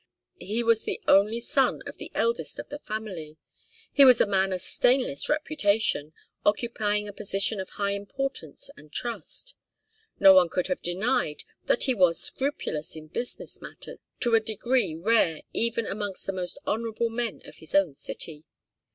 He was the only son of the eldest of the family. He was a man of stainless reputation, occupying a position of high importance and trust. No one could have denied that he was scrupulous in business matters to a degree rare even amongst the most honourable men of his own city.